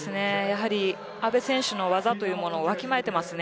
阿部選手の技というものをわきまえています。